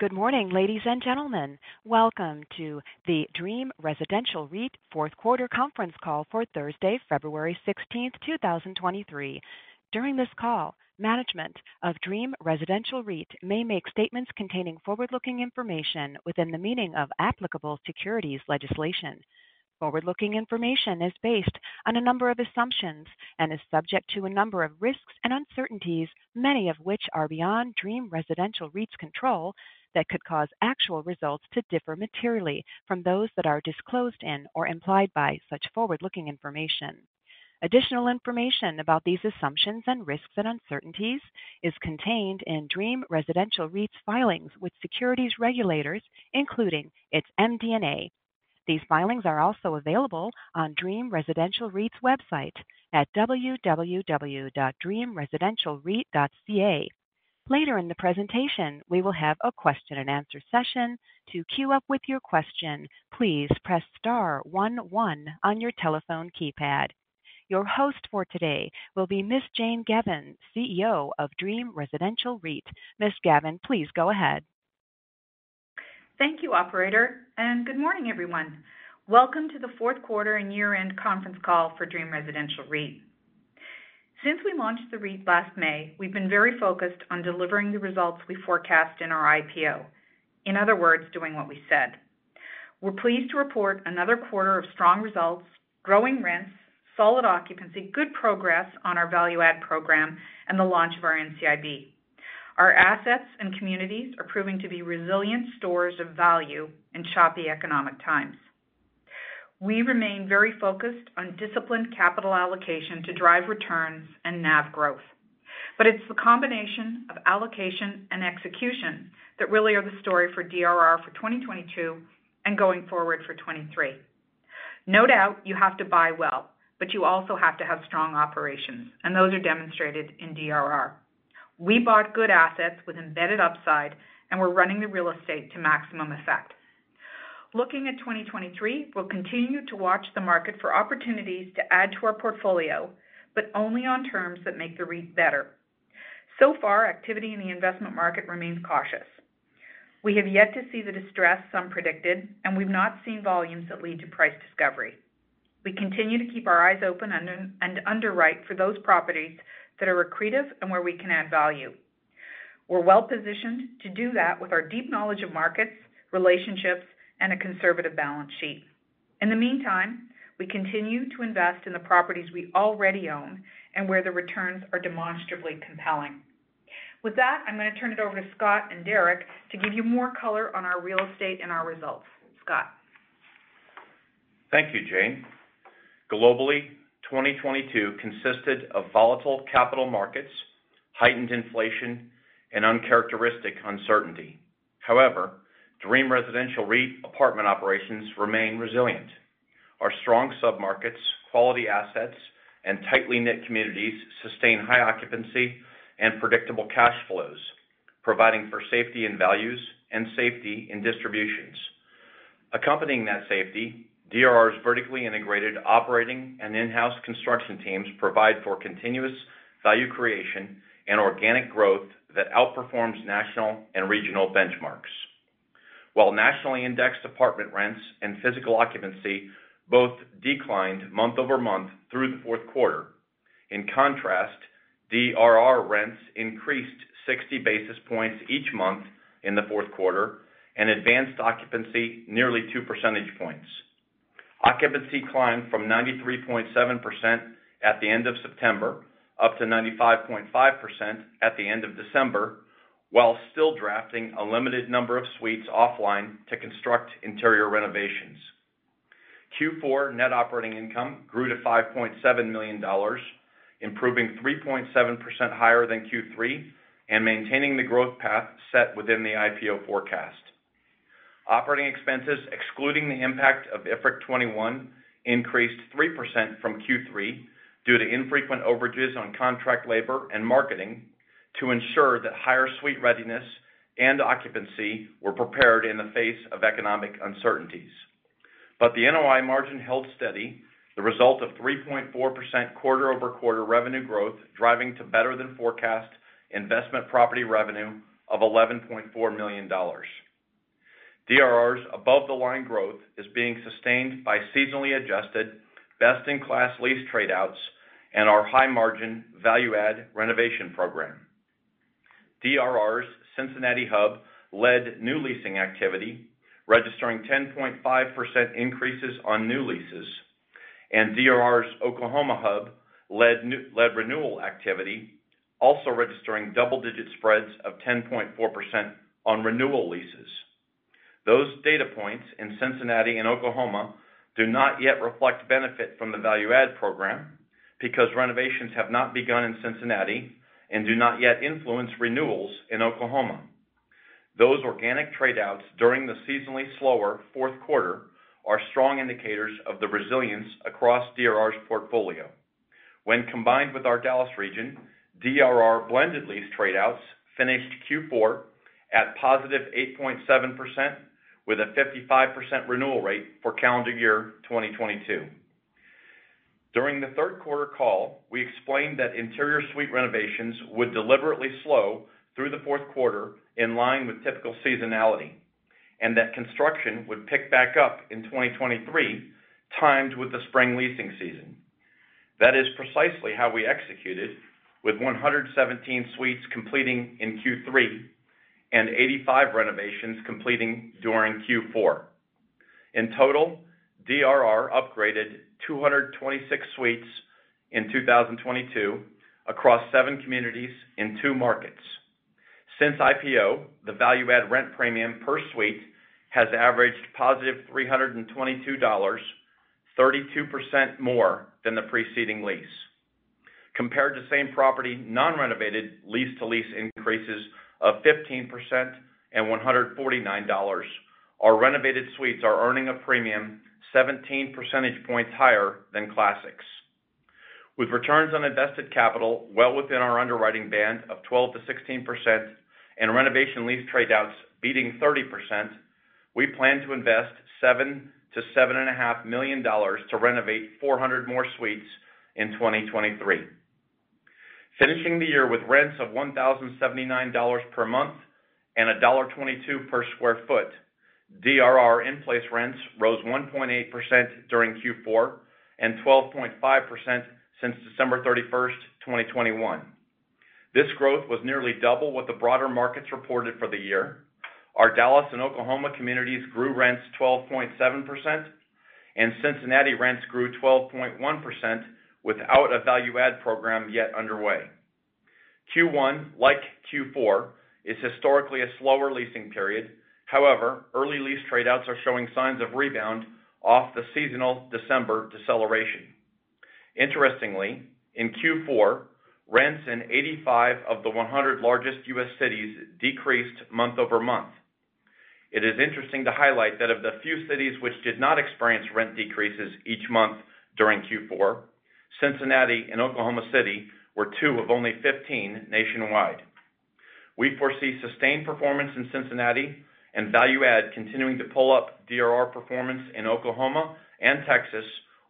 Good morning, ladies and gentlemen. Welcome to the Dream Residential REIT fourth quarter conference call for Thursday, February 16th, 2023. During this call, management of Dream Residential REIT may make statements containing forward-looking information within the meaning of applicable securities legislation. Forward-looking information is based on a number of assumptions and is subject to a number of risks and uncertainties, many of which are beyond Dream Residential REIT's control, that could cause actual results to differ materially from those that are disclosed in or implied by such forward-looking information. Additional information about these assumptions and risks and uncertainties is contained in Dream Residential REIT's filings with securities regulators, including its MD&A. These filings are also available on Dream Residential REIT's website at www.dreamresidentialreit.ca. Later in the presentation, we will have a question and answer session. To queue up with your question, please press star one one on your telephone keypad. Your host for today will be Ms. Jane Gavan, CEO of Dream Residential REIT. Ms. Gavan, please go ahead. Thank you, operator. Good morning, everyone. Welcome to the fourth quarter and year-end conference call for Dream Residential REIT. Since we launched the REIT last May, we've been very focused on delivering the results we forecast in our IPO. In other words, doing what we said. We're pleased to report another quarter of strong results, growing rents, solid occupancy, good progress on our value add program, and the launch of our NCIB. Our assets and communities are proving to be resilient storers of value in choppy economic times. We remain very focused on disciplined capital allocation to drive returns and NAV growth. It's the combination of allocation and execution that really are the story for DRR for 2022 and going forward for 2023. No doubt you have to buy well, but you also have to have strong operations, and those are demonstrated in DRR. We bought good assets with embedded upside, and we're running the real estate to maximum effect. Looking at 2023, we'll continue to watch the market for opportunities to add to our portfolio, but only on terms that make the REIT better. So far, activity in the investment market remains cautious. We have yet to see the distress some predicted, and we've not seen volumes that lead to price discovery. We continue to keep our eyes open and underwrite for those properties that are accretive and where we can add value. We're well-positioned to do that with our deep knowledge of markets, relationships, and a conservative balance sheet. In the meantime, we continue to invest in the properties we already own and where the returns are demonstrably compelling. With that, I'm going to turn it over to Scott and Derrick to give you more color on our real estate and our results. Scott. Thank you, Jane. Globally, 2022 consisted of volatile capital markets, heightened inflation, and uncharacteristic uncertainty. Dream Residential REIT apartment operations remain resilient. Our strong submarkets, quality assets, and tightly knit communities sustain high occupancy and predictable cash flows, providing for safety in values and safety in distributions. Accompanying that safety, DRR's vertically integrated operating and in-house construction teams provide for continuous value creation and organic growth that outperforms national and regional benchmarks. While nationally indexed apartment rents and physical occupancy both declined month-over-month through the fourth quarter, in contrast, DRR rents increased 60 basis points each month in the fourth quarter and advanced occupancy nearly 2 percentage points. Occupancy climbed from 93.7% at the end of September up to 95.5% at the end of December, while still drafting a limited number of suites offline to construct interior renovations. Q4 net operating income grew to $5.7 million, improving 3.7% higher than Q3 and maintaining the growth path set within the IPO forecast. Operating expenses, excluding the impact of IFRIC 21, increased 3% from Q3 due to infrequent overages on contract labor and marketing to ensure that higher suite readiness and occupancy were prepared in the face of economic uncertainties. The NOI margin held steady, the result of 3.4% quarter-over-quarter revenue growth driving to better than forecast investment property revenue of $11.4 million. DRR's above the line growth is being sustained by seasonally adjusted, best-in-class lease trade outs and our high margin value add renovation program. DRR's Cincinnati hub led new leasing activity, registering 10.5% increases on new leases, and DRR's Oklahoma hub led renewal activity, also registering double-digit spreads of 10.4% on renewal leases. Those data points in Cincinnati and Oklahoma do not yet reflect benefit from the value add program because renovations have not begun in Cincinnati and do not yet influence renewals in Oklahoma. Those organic trade outs during the seasonally slower fourth quarter are strong indicators of the resilience across DRR's portfolio. When combined with our Dallas region, DRR blended lease trade outs finished Q4 at positive 8.7% with a 55% renewal rate for calendar year 2022. During the third quarter call, we explained that interior suite renovations would deliberately slow through the fourth quarter in line with typical seasonality, and that construction would pick back up in 2023, timed with the spring leasing season. That is precisely how we executed with 117 suites completing in Q3 and 85 renovations completing during Q4. In total, DRR upgraded 226 suites in 2022 across seven communities in two markets. Since IPO, the value-add rent premium per suite has averaged positive $322, 32% more than the preceding lease. Compared to same property non-renovated lease to lease increases of 15% and $149, our renovated suites are earning a premium 17 percentage points higher than classics. With returns on invested capital well within our underwriting band of 12%-16% and renovation lease trade outs beating 30%, we plan to invest $7 million-$7.5 million to renovate 400 more suites in 2023. Finishing the year with rents of $1,079 per month and $1.22 per sq ft, DRR in-place rents rose 1.8% during Q4, and 12.5% since December 31st, 2021. This growth was nearly double what the broader markets reported for the year. Our Dallas and Oklahoma communities grew rents 12.7%. Cincinnati rents grew 12.1% without a value-add program yet underway. Q1, like Q4, is historically a slower leasing period. However, early lease trade-outs are showing signs of rebound off the seasonal December deceleration. Interestingly, in Q4, rents in 85 of the 100 largest U.S. cities decreased month-over-month. It is interesting to highlight that of the few cities which did not experience rent decreases each month during Q4, Cincinnati and Oklahoma City were two of only 15 nationwide. We foresee sustained performance in Cincinnati and value-add continuing to pull up DRR performance in Oklahoma and Texas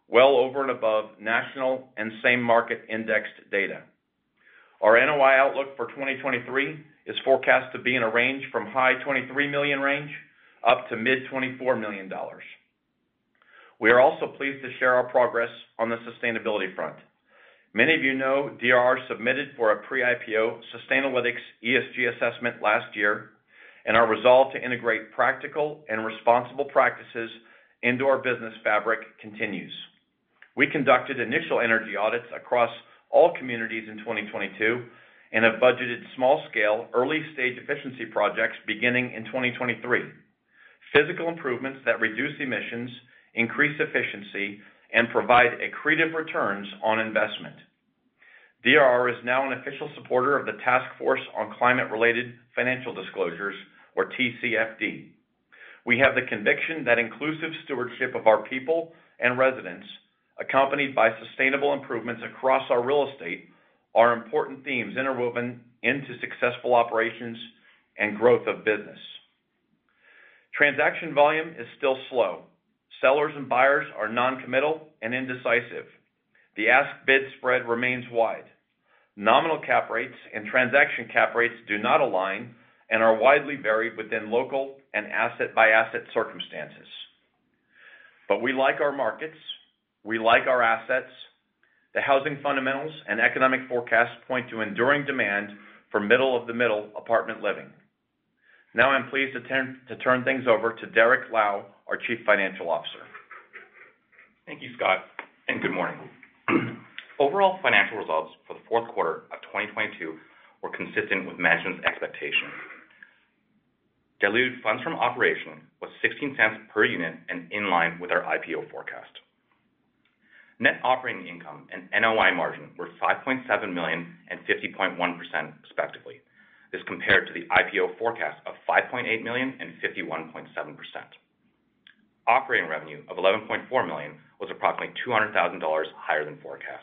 well over and above national and same market indexed data. Our NOI outlook for 2023 is forecast to be in a range from high $23 million range up to mid $24 million. We are also pleased to share our progress on the sustainability front. Many of you know DRR submitted for a pre-IPO Sustainalytics ESG assessment last year, and our resolve to integrate practical and responsible practices into our business fabric continues. We conducted initial energy audits across all communities in 2022 and have budgeted small scale early stage efficiency projects beginning in 2023. Physical improvements that reduce emissions, increase efficiency, and provide accretive returns on investment. DRR is now an official supporter of the Task Force on Climate-Related Financial Disclosures, or TCFD. We have the conviction that inclusive stewardship of our people and residents, accompanied by sustainable improvements across our real estate, are important themes interwoven into successful operations and growth of business. Transaction volume is still slow. Sellers and buyers are non-committal and indecisive. The ask bid spread remains wide. Nominal cap rates and transaction cap rates do not align and are widely varied within local and asset-by-asset circumstances. We like our markets, we like our assets. The housing fundamentals and economic forecasts point to enduring demand for middle of the middle apartment living. Now I'm pleased to turn things over to Derrick Lau, our Chief Financial Officer. Thank you, Scott. Good morning. Overall financial results for the fourth quarter of 2022 were consistent with management's expectations. Diluted funds from operation was $0.16 per unit and in line with our IPO forecast. Net operating income and NOI margin were $5.7 million and 50.1% respectively, as compared to the IPO forecast of $5.8 million and 51.7%. Operating revenue of $11.4 million was approximately $200,000 higher than forecast.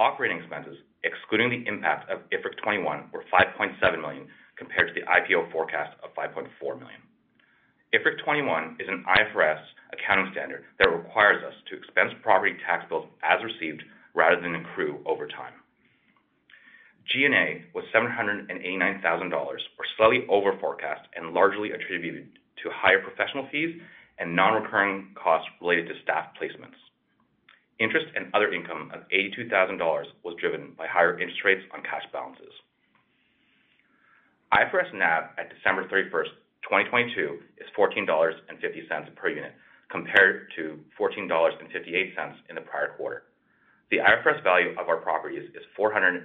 Operating expenses, excluding the impact of IFRIC 21, were $5.7 million, compared to the IPO forecast of $5.4 million. IFRIC 21 is an IFRS accounting standard that requires us to expense property tax bills as received rather than accrue over time. G&A was $789,000 or slightly over forecast and largely attributed to higher professional fees and non-recurring costs related to staff placements. Interest and other income of $82,000 was driven by higher interest rates on cash balances. IFRS NAV at December 31, 2022, is $14.50 per unit compared to $14.58 in the prior quarter. The IFRS value of our properties is $418.2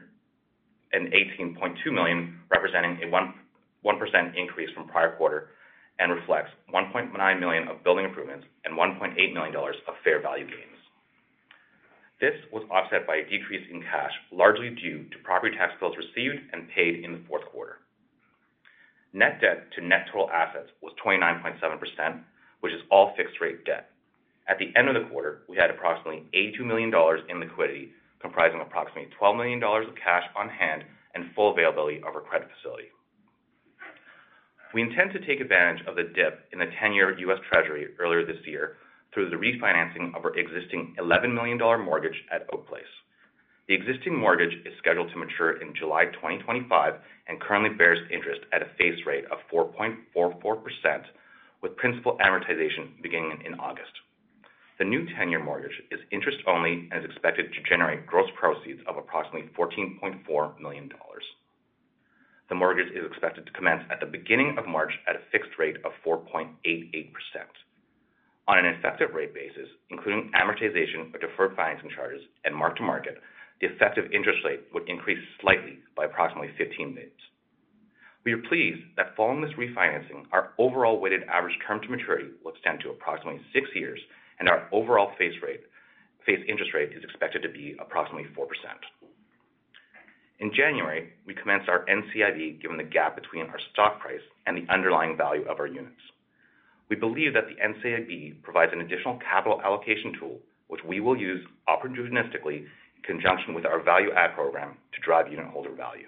million, representing a 1% increase from prior quarter and reflects $1.9 million of building improvements and $1.8 million of fair value gains. This was offset by a decrease in cash, largely due to property tax bills received and paid in the Q4. Net debt to net total assets was 29.7%, which is all fixed rate debt. At the end of the quarter, we had approximately $82 million in liquidity, comprising approximately $12 million of cash on hand and full availability of our credit facility. We intend to take advantage of the dip in the 10-year US Treasury earlier this year through the refinancing of our existing $11 million mortgage at Oak Place. The existing mortgage is scheduled to mature in July 2025 and currently bears interest at a face rate of 4.44% with principal amortization beginning in August. The new 10-year mortgage is interest only and is expected to generate gross proceeds of approximately $14.4 million. The mortgage is expected to commence at the beginning of March at a fixed rate of 4.88%. On an effective rate basis, including amortization of deferred financing charges and mark-to-market, the effective interest rate would increase slightly by approximately 15 basis points. We are pleased that following this refinancing, our overall weighted average term to maturity will extend to approximately six years and our overall face rate, face interest rate is expected to be approximately 4%. In January, we commenced our NCIB, given the gap between our stock price and the underlying value of our units. We believe that the NCIB provides an additional capital allocation tool, which we will use opportunistically in conjunction with our value add program to drive unitholder value.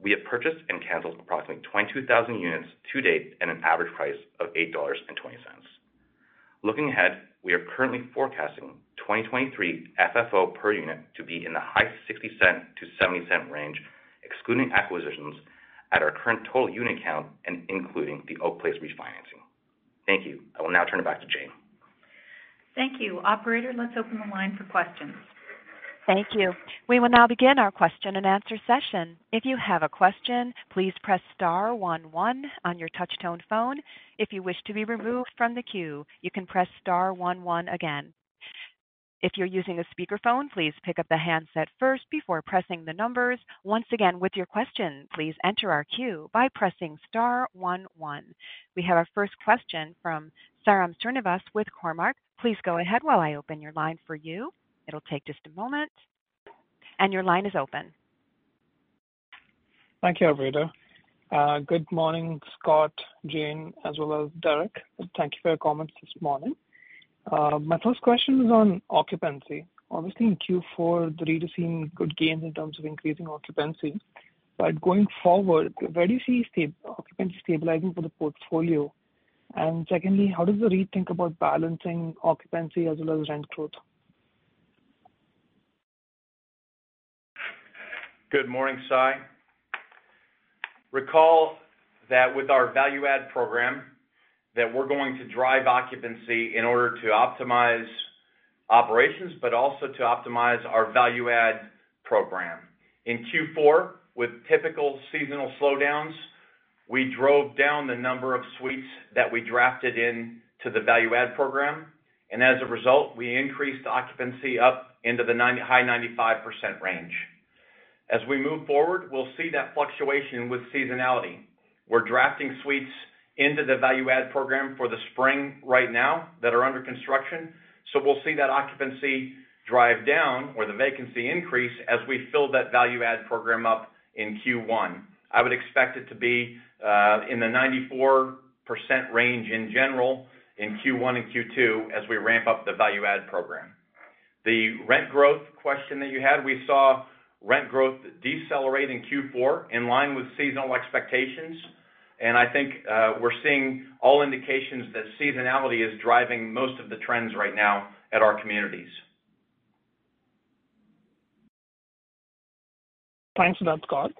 We have purchased and canceled approximately 22,000 units to date at an average price of $8.20. Looking ahead, we are currently forecasting 2023 FFO per unit to be in the high $0.60-$0.70 range, excluding acquisitions at our current total unit count and including the Oak Place refinancing. Thank you. I will now turn it back to Jane. Thank you. Operator, let's open the line for questions. Thank you. We will now begin our question-and-answer session. If you have a question, please press star one one on your touchtone phone. If you wish to be removed from the queue, you can press star one one again. If you're using a speakerphone, please pick up the handset first before pressing the numbers. Once again, with your question, please enter our queue by pressing star one one. We have our first question from Sairam Srinivas with Cormark. Please go ahead while I open your line for you. It'll take just a moment. Your line is open. Thank you, operator. Good morning, Scott, Jane, as well as Derrick. Thank you for your comments this morning. My first question is on occupancy. Obviously, in Q4, the REIT has seen good gains in terms of increasing occupancy. Going forward, where do you see occupancy stabilizing for the portfolio? Secondly, how does the REIT think about balancing occupancy as well as rent growth? Good morning, Sai. Recall that with our value add program that we're going to drive occupancy in order to optimize operations, but also to optimize our value add program. In Q4, with typical seasonal slowdowns, we drove down the number of suites that we drafted into the value add program, and as a result, we increased occupancy up into the high 95% range. As we move forward, we'll see that fluctuation with seasonality. We're drafting suites into the value add program for the spring right now that are under construction. We'll see that occupancy drive down or the vacancy increase as we fill that value add program up in Q1. I would expect it to be in the 94% range in general in Q1 and Q2 as we ramp up the value add program. The rent growth question that you had, we saw rent growth decelerate in Q4 in line with seasonal expectations. I think, we're seeing all indications that seasonality is driving most of the trends right now at our communities. Thanks for that, Scott.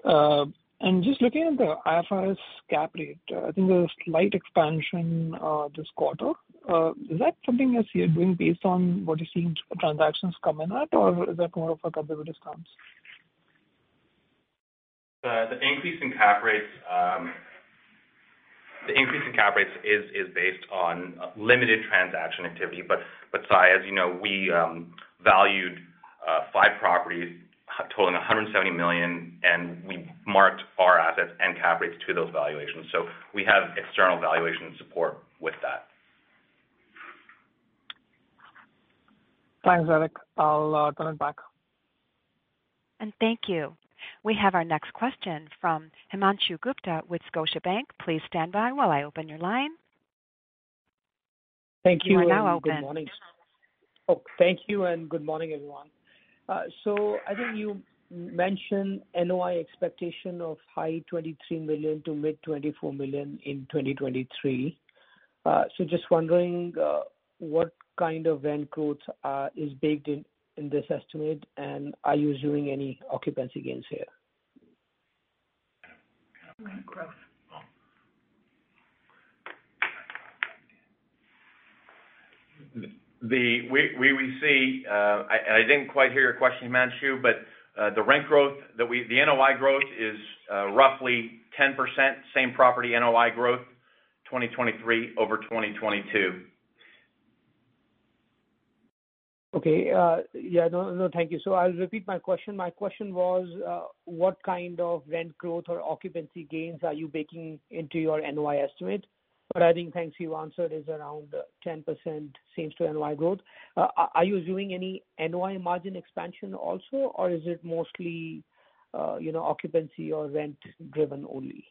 Just looking at the IFRS cap rate, I think there's a slight expansion, this quarter. Is that something that you're doing based on what you're seeing transactions coming at, or is that more of a conservative stance? The increase in cap rates is based on limited transaction activity. Sai, as you know, we valued five properties totaling $170 million, and we marked our assets and cap rates to those valuations. We have external valuation support with that. Thanks, Derrick. I'll turn it back. Thank you. We have our next question from Himanshu Gupta with Scotiabank. Please stand by while I open your line. Thank you. You are now open. Good morning. Thank you, and good morning, everyone. I think you mentioned NOI expectation of high $23 million to mid $24 million in 2023. Just wondering what kind of rent growth is baked in this estimate, and are you assuming any occupancy gains here? We see I didn't quite hear your question, Himanshu, but the rent growth the NOI growth is roughly 10%, same-property NOI growth, 2023 over 2022. Okay. Yeah, no. Thank you. I'll repeat my question. My question was, what kind of rent growth or occupancy gains are you baking into your NOI estimate? I think, thanks, you answered, is around 10% seems to NOI growth. Are you assuming any NOI margin expansion also, or is it mostly, you know, occupancy or rent-driven only?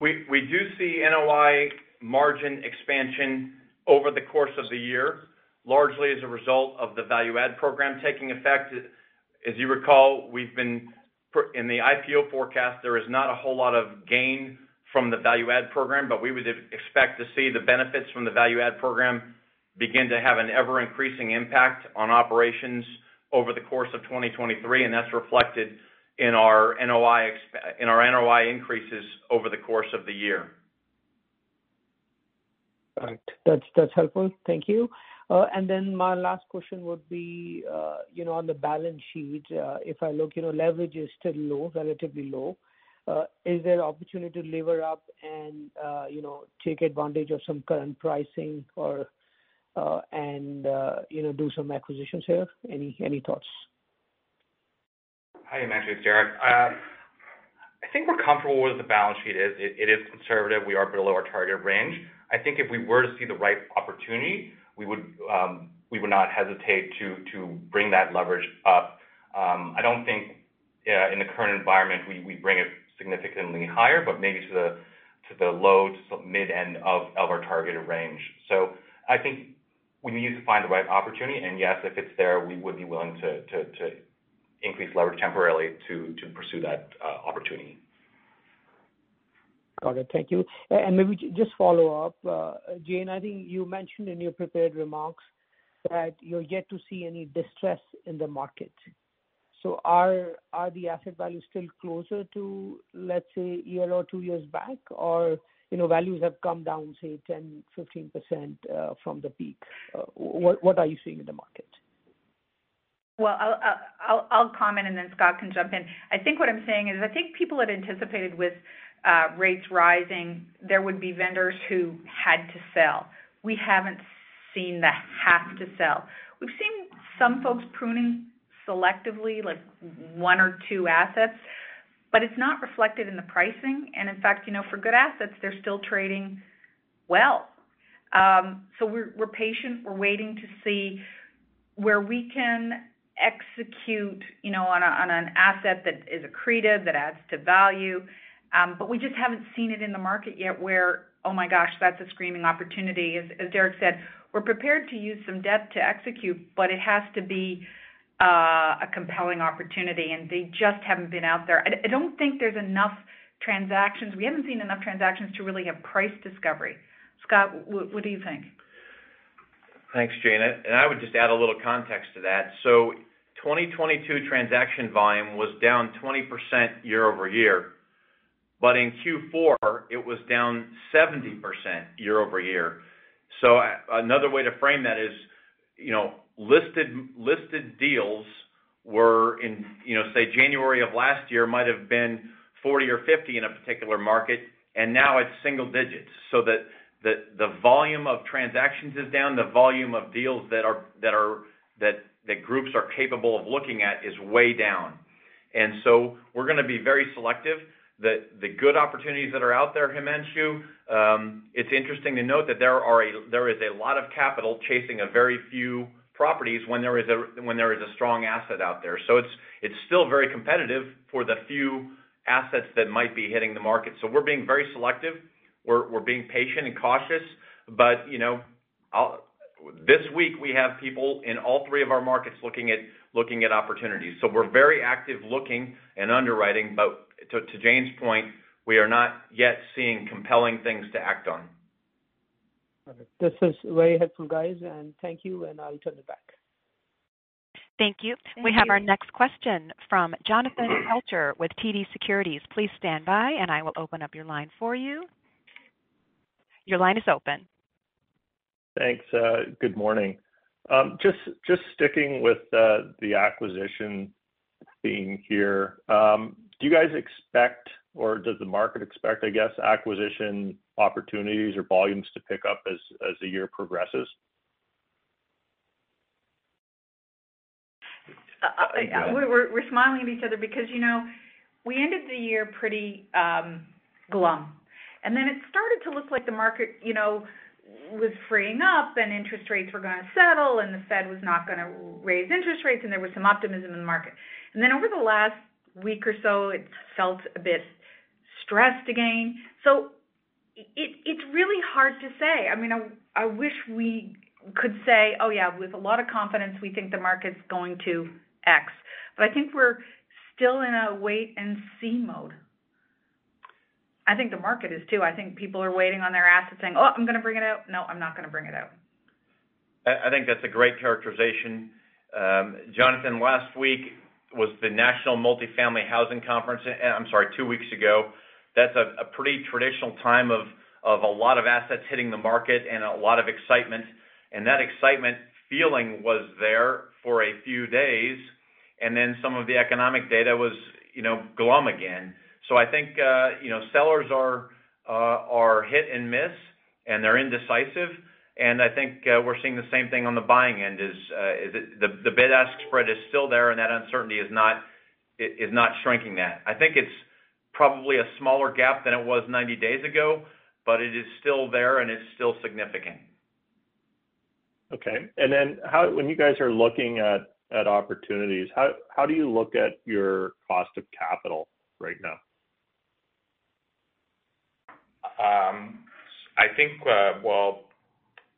We do see NOI margin expansion over the course of the year, largely as a result of the value add program taking effect. As you recall, we've been in the IPO forecast, there is not a whole lot of gain from the value add program, but we would expect to see the benefits from the value add program begin to have an ever-increasing impact on operations over the course of 2023, and that's reflected in our NOI increases over the course of the year. All right. That's, that's helpful. Thank you. My last question would be, you know, on the balance sheet. If I look, you know, leverage is still low, relatively low. Is there opportunity to lever up and, you know, take advantage of some current pricing or, and, you know, do some acquisitions here? Any, any thoughts? Hi, Himanshu. It's Derrick. I think we're comfortable with where the balance sheet is. It is conservative. We are below our target range. I think if we were to see the right opportunity, we would not hesitate to bring that leverage up. I don't think in the current environment, we bring it significantly higher, but maybe to the low to mid end of our targeted range. I think we need to find the right opportunity. Yes, if it's there, we would be willing to increase leverage temporarily to pursue that opportunity. Got it. Thank you. Maybe just follow up. Jane, I think you mentioned in your prepared remarks that you're yet to see any distress in the market. Are the asset values still closer to, let's say, a year or two years back? Or, you know, values have come down, say, 10%-15% from the peak? What are you seeing in the market? Well, I'll comment and then Scott can jump in. I think what I'm saying is, I think people had anticipated with rates rising, there would be vendors who had to sell. We haven't seen the have to sell. We've seen some folks pruning selectively, like one or two assets, but it's not reflected in the pricing. In fact, you know, for good assets, they're still trading well. We're patient. We're waiting to see where we can execute, you know, on an asset that is accretive, that adds to value. We just haven't seen it in the market yet where, oh my gosh, that's a screaming opportunity. As Derrick said, we're prepared to use some debt to execute, but it has to be a compelling opportunity, and they just haven't been out there. I don't think there's enough transactions. We haven't seen enough transactions to really have price discovery. Scott, what do you think? Thanks, Jane. I would just add a little context to that. 2022 transaction volume was down 20% year-over-year. In Q4, it was down 70% year-over-year. Another way to frame that is, you know, listed deals were in, you know, say, January of last year, might have been 40 or 50 in a particular market, and now it's single digits. The volume of transactions is down. The volume of deals that are, that groups are capable of looking at is way down. We're gonna be very selective. The good opportunities that are out there, Himanshu, it's interesting to note that there is a lot of capital chasing a very few properties when there is a, when there is a strong asset out there. It's still very competitive for the few assets that might be hitting the market. We're being very selective. We're being patient and cautious. You know, this week we have people in all three of our markets looking at opportunities. We're very active looking and underwriting. To Jane's point, we are not yet seeing compelling things to act on. Okay. This is very helpful, guys, and thank you, and I'll turn it back. Thank you. Thank you. We have our next question from Jonathan Kelcher with TD Securities. Please stand by and I will open up your line for you. Your line is open. Thanks. good morning. just sticking with the acquisition theme here. Do you guys expect, or does the market expect, I guess, acquisition opportunities or volumes to pick up as the year progresses? We're smiling at each other because, you know, we ended the year pretty glum. It started to look like the market, you know, was freeing up, and interest rates were gonna settle, and the Fed was not gonna raise interest rates, and there was some optimism in the market. Over the last week or so, it's felt a bit stressed again. It's really hard to say. I mean, I wish we could say, oh yeah, with a lot of confidence we think the market's going to X. I think we're still in a wait and see mode. I think the market is too. I think people are waiting on their assets saying, "Oh, I'm gonna bring it out. No, I'm not gonna bring it out. I think that's a great characterization. Jonathan, last week was the National Multifamily Housing Council. I'm sorry, two weeks ago. That's a pretty traditional time of a lot of assets hitting the market and a lot of excitement. That excitement feeling was there for a few days, some of the economic data was, you know, glum again. I think, you know, sellers are hit and miss, and they're indecisive. I think we're seeing the same thing on the buying end. The bid-ask spread is still there, and that uncertainty is not shrinking that. I think it's probably a smaller gap than it was 90 days ago, but it is still there and it's still significant. Okay. When you guys are looking at opportunities, how do you look at your cost of capital right now? I think, well,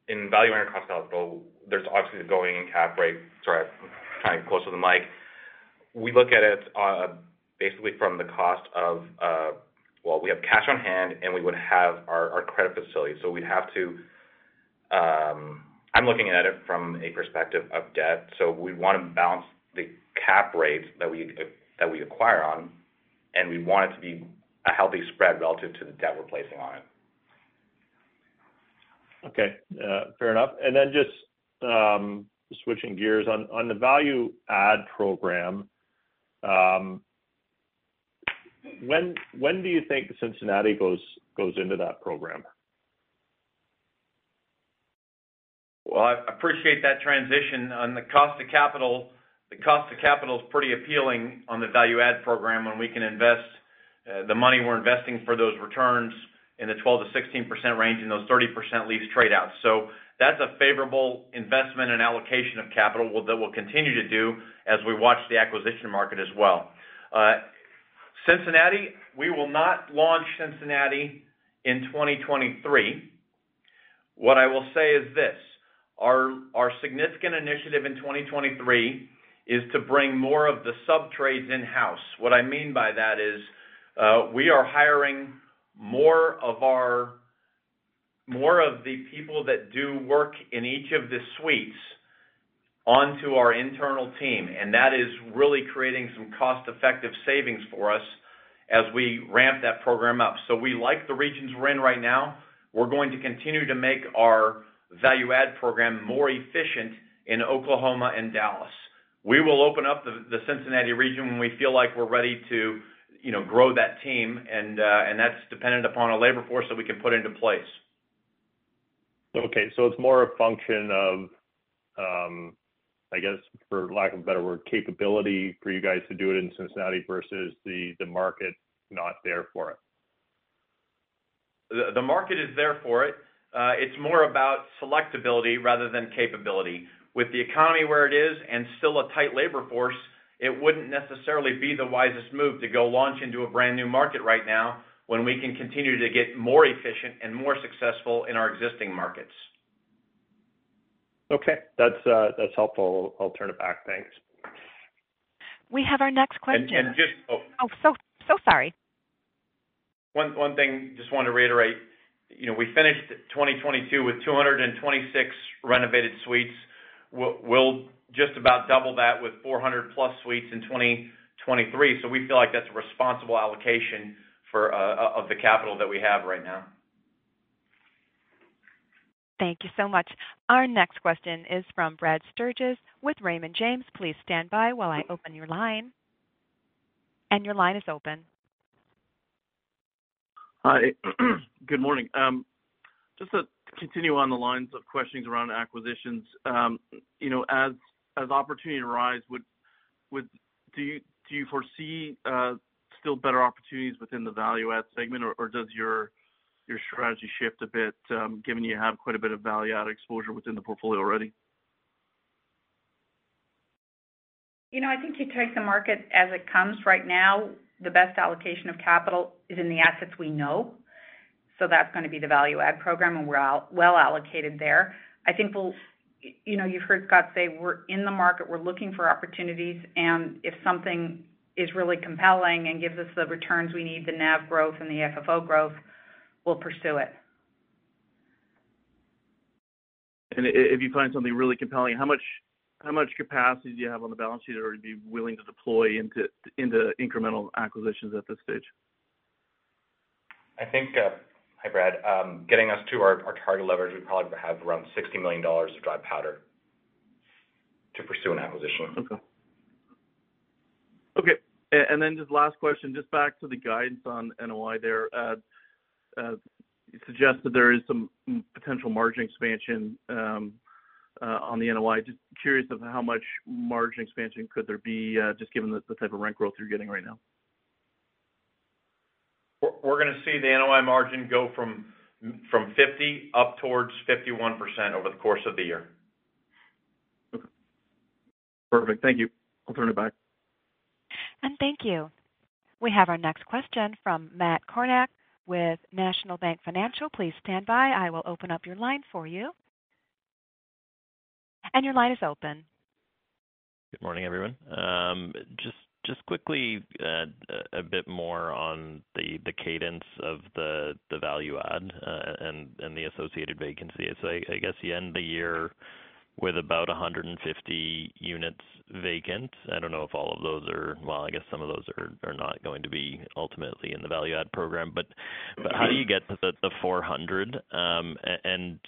in evaluating our cost of capital, there's obviously the going in cap rate. Sorry, I'm trying to be close to the mic. We look at it, basically from the cost of. Well, we have cash on hand, and we would have our credit facility, so we'd have to. I'm looking at it from a perspective of debt, so we wanna balance the cap rate that we, that we acquire on, and we want it to be a healthy spread relative to the debt we're placing on it. Okay. Fair enough. Then just switching gears. On the value add program, when do you think Cincinnati goes into that program? Well, I appreciate that transition. On the cost of capital, the cost of capital is pretty appealing on the value add program when we can invest the money we're investing for those returns in the 12%-16% range in those 30% lease trade-outs. That's a favorable investment and allocation of capital that we'll continue to do as we watch the acquisition market as well. Cincinnati, we will not launch Cincinnati in 2023. What I will say is this: Our significant initiative in 2023 is to bring more of the sub-trades in-house. What I mean by that is, we are hiring more of the people that do work in each of the suites onto our internal team, and that is really creating some cost-effective savings for us as we ramp that program up. We like the regions we're in right now. We're going to continue to make our value add program more efficient in Oklahoma and Dallas. We will open up the Cincinnati region when we feel like we're ready to, you know, grow that team and that's dependent upon a labor force that we can put into place. Okay. It's more a function of, I guess, for lack of a better word, capability for you guys to do it in Cincinnati versus the market not there for it. The market is there for it. It's more about selectability rather than capability. With the economy where it is and still a tight labor force, it wouldn't necessarily be the wisest move to go launch into a brand-new market right now when we can continue to get more efficient and more successful in our existing markets. Okay. That's, that's helpful. I'll turn it back. Thanks. We have our next question. And, and just- Oh, so sorry. One thing just wanted to reiterate. You know, we finished 2022 with 226 renovated suites. We'll just about double that with 400+ suites in 2023. We feel like that's a responsible allocation for of the capital that we have right now. Thank you so much. Our next question is from Brad Sturges with Raymond James. Please stand by while I open your line. Your line is open. Hi. Good morning. Just to continue on the lines of questions around acquisitions. You know, as opportunity arise, do you foresee still better opportunities within the value add segment, or does your strategy shift a bit, given you have quite a bit of value add exposure within the portfolio already? You know, I think you take the market as it comes. Right now, the best allocation of capital is in the assets we know. That's gonna be the value add program, and we're well allocated there. I think we'll. You know, you've heard Scott say we're in the market, we're looking for opportunities, and if something is really compelling and gives us the returns we need, the NAV growth and the FFO growth, we'll pursue it. If you find something really compelling, how much capacity do you have on the balance sheet or be willing to deploy into incremental acquisitions at this stage? I think, Hi, Brad. Getting us to our target leverage, we probably have around $60 million of dry powder to pursue an acquisition. Okay. Okay. Just last question, just back to the guidance on NOI there. You suggest that there is some potential margin expansion on the NOI. Just curious of how much margin expansion could there be, just given the type of rent growth you're getting right now. We're gonna see the NOI margin go from 50% up towards 51% over the course of the year. Okay. Perfect. Thank you. I'll turn it back. Thank you. We have our next question from Matt Kornack with National Bank Financial. Please stand by. I will open up your line for you. Your line is open. Good morning, everyone. Just quickly, a bit more on the cadence of the value add and the associated vacancy. I guess the end of the year with about 150 units vacant. I don't know if all of those are. I guess some of those are not going to be ultimately in the value add program. How do you get to the 400, and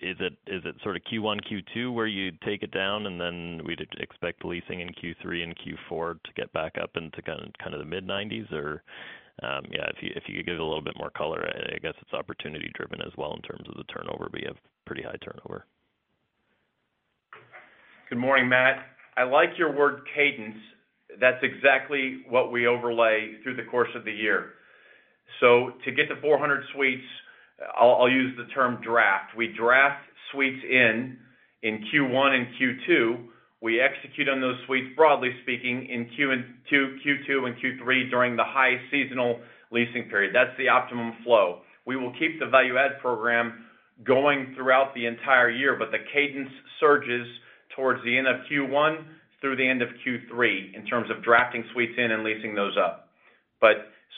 is it sort of Q1, Q2, where you'd take it down, and then we'd expect leasing in Q3 and Q4 to get back up into kind of the mid-nineties? Yeah, if you could give a little bit more color. I guess it's opportunity driven as well in terms of the turnover, but you have pretty high turnover. Good morning, Matt. I like your word cadence. That's exactly what we overlay through the course of the year. To get to 400 suites, I'll use the term draft. We draft suites in Q1 and Q2. We execute on those suites, broadly speaking, in Q2 and Q3 during the high seasonal leasing period. That's the optimum flow. We will keep the value add program going throughout the entire year, but the cadence surges towards the end of Q1 through the end of Q3 in terms of drafting suites in and leasing those up.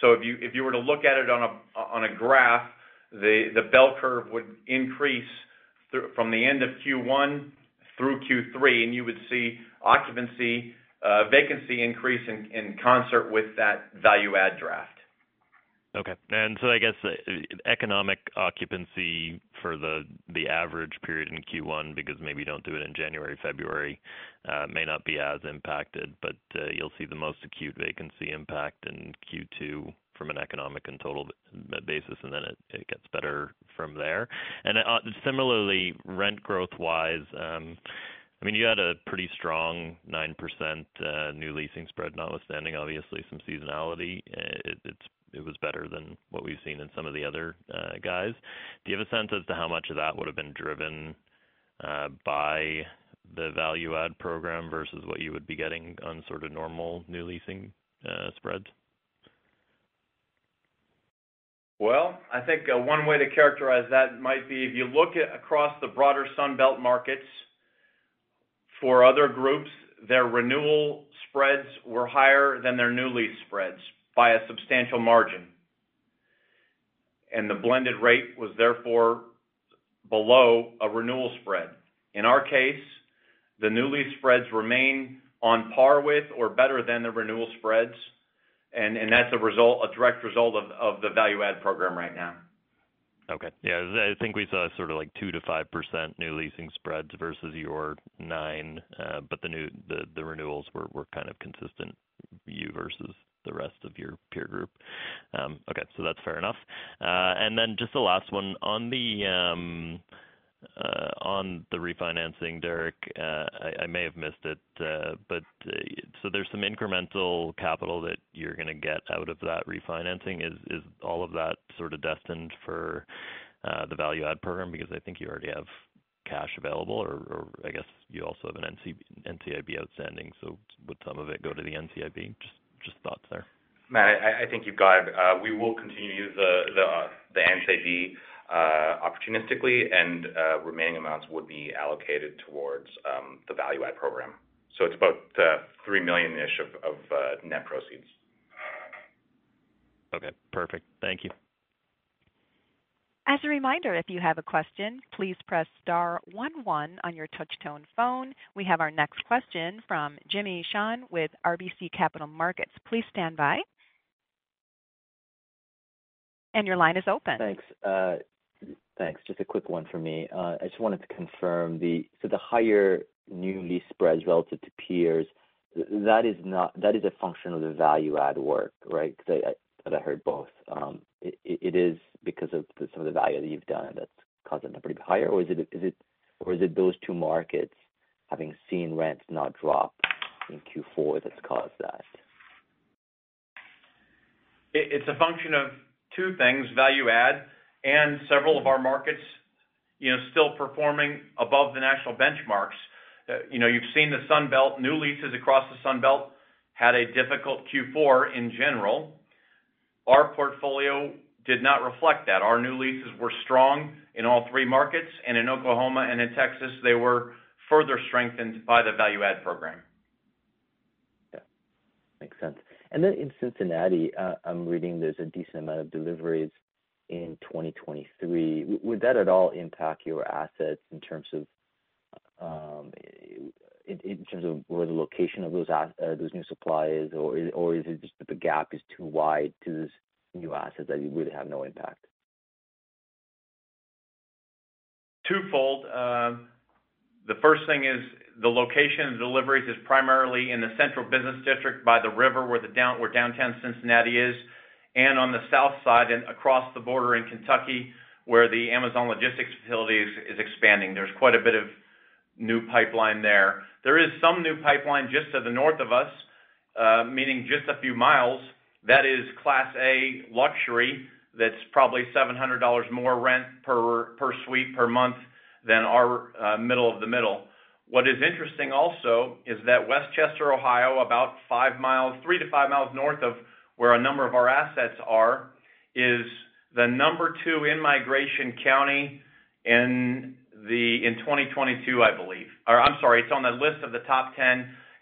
If you were to look at it on a graph, the bell curve would increase from the end of Q1 through Q3, and you would see occupancy, vacancy increase in concert with that value add draft. Okay. I guess economic occupancy for the average period in Q1, because maybe you don't do it in January, February, may not be as impacted, but you'll see the most acute vacancy impact in Q2 from an economic and total basis, and then it gets better from there. Similarly, rent growth-wise, I mean, you had a pretty strong 9% new leasing spread, notwithstanding obviously some seasonality. It was better than what we've seen in some of the other guys. Do you have a sense as to how much of that would have been driven by the value add program versus what you would be getting on sort of normal new leasing spreads? Well, I think one way to characterize that might be if you look at across the broader Sun Belt markets for other groups, their renewal spreads were higher than their new lease spreads by a substantial margin. The blended rate was therefore below a renewal spread. In our case, the new lease spreads remain on par with or better than the renewal spreads, and that's a direct result of the value add program right now. Okay. Yeah. I think we saw sort of like 2%-5% new leasing spreads versus your 9%, the renewals were kind of consistent, you versus the rest of your peer group. Okay, that's fair enough. Just the last one. On the refinancing, Derrick, I may have missed it, there's some incremental capital that you're gonna get out of that refinancing. Is all of that sort of destined for the value add program? I think you already have cash available, or I guess you also have an NCIB outstanding. Would some of it go to the NCIB? Just thoughts there. Matt, I think you've got. We will continue the NCIB opportunistically and remaining amounts would be allocated towards the value add program. It's about $3 million-ish of net proceeds. Okay. Perfect. Thank you. As a reminder, if you have a question, please press star one one on your touch tone phone. We have our next question from Jimmy Shan with RBC Capital Markets. Please stand by. Your line is open. Thanks. Thanks. Just a quick one for me. I just wanted to confirm the... The higher new lease spreads relative to peers, that is not that is a function of the value add work, right? Because I heard both. It is because of some of the value that you've done that's causing them to be higher, or is it or is it those two markets having seen rents not drop in Q4 that's caused that? It's a function of two things, value add and several of our markets, you know, still performing above the national benchmarks. You know, you've seen the Sun Belt, new leases across the Sun Belt had a difficult Q4 in general. Our portfolio did not reflect that. Our new leases were strong in all three markets, and in Oklahoma and in Texas, they were further strengthened by the value add program. Yeah. Makes sense. In Cincinnati, I'm reading there's a decent amount of deliveries in 2023. Would that at all impact your assets in terms of, in terms of where the location of those new supply is, or is it just that the gap is too wide to these new assets that it would have no impact? Twofold. The first thing is the location of the deliveries is primarily in the central business district by the river where downtown Cincinnati is, and on the south side and across the border in Kentucky, where the Amazon logistics facility is expanding. There's quite a bit of new pipeline there. There is some new pipeline just to the north of us, meaning just a few miles. That is class A luxury. That's probably $700 more rent per suite per month than our middle of the middle. What is interesting also is that Westchester, Ohio, about 3-5 miles north of where a number of our assets are, is the number two in migration county in the 2022, I believe. I'm sorry, it's on the list of the top 10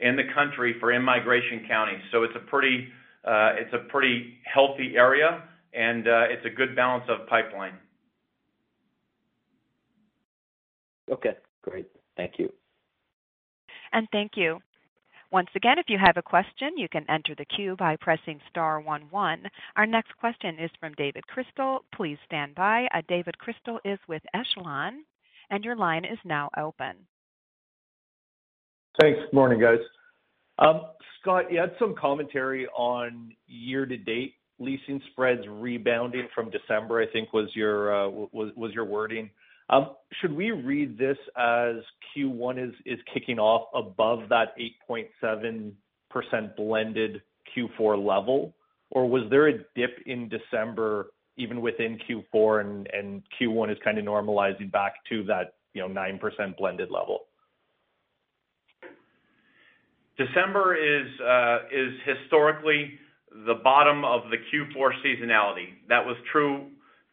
in the country for in migration county. It's a pretty, it's a pretty healthy area, and it's a good balance of pipeline. Okay, great. Thank you. Thank you. Once again, if you have a question, you can enter the queue by pressing star one one. Our next question is from David Crystal. Please stand by. David Crystal is with Echelon, and your line is now open. Thanks. Morning, guys. Scott, you had some commentary on year-to-date leasing spreads rebounding from December, I think was your was your wording. Should we read this as Q1 is kicking off above that 8.7% blended Q4 level? Or was there a dip in December even within Q4 and Q1 is kinda normalizing back to that, you know, 9% blended level? December is historically the bottom of the Q4 seasonality. That was true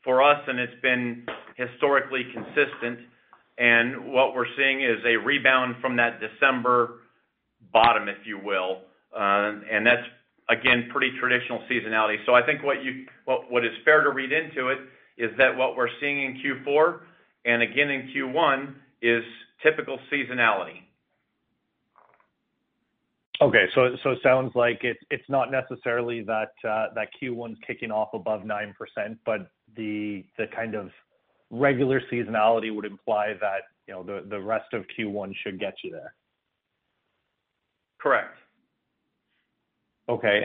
for us, and it's been historically consistent. What we're seeing is a rebound from that December bottom, if you will. That's again, pretty traditional seasonality. I think what is fair to read into it is that what we're seeing in Q4 and again in Q1 is typical seasonality. Okay. It sounds like it's not necessarily that Q1's kicking off above 9%, but the kind of regular seasonality would imply that, you know, the rest of Q1 should get you there. Correct. Okay.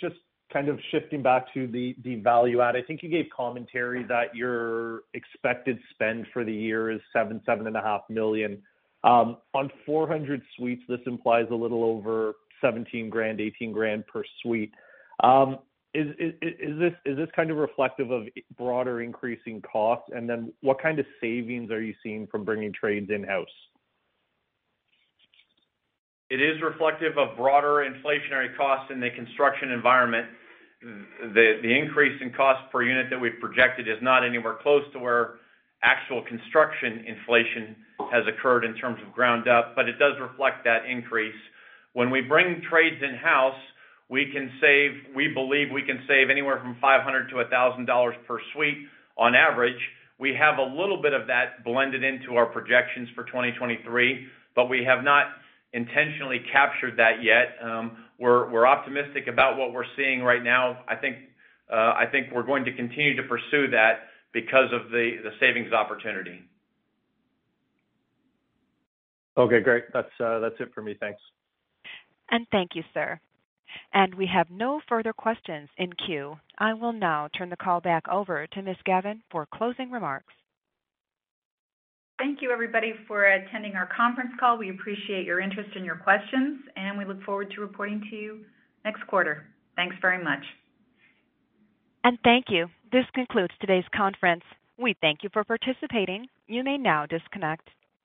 just kind of shifting back to the value add. I think you gave commentary that your expected spend for the year is $7 million-$7.5 million. On 400 suites, this implies a little over $17,000-$18,000 per suite. Is this kind of reflective of broader increasing costs? What kind of savings are you seeing from bringing trades in-house? It is reflective of broader inflationary costs in the construction environment. The increase in cost per unit that we've projected is not anywhere close to where actual construction inflation has occurred in terms of ground up, but it does reflect that increase. When we bring trades in-house, we believe we can save anywhere from $500-$1,000 per suite on average. We have a little bit of that blended into our projections for 2023, but we have not intentionally captured that yet. We're optimistic about what we're seeing right now. I think we're going to continue to pursue that because of the savings opportunity. Okay, great. That's it for me. Thanks. Thank you, sir. We have no further questions in queue. I will now turn the call back over to Ms. Gavan for closing remarks. Thank you, everybody, for attending our conference call. We appreciate your interest and your questions, and we look forward to reporting to you next quarter. Thanks very much. Thank you. This concludes today's conference. We thank you for participating. You may now disconnect.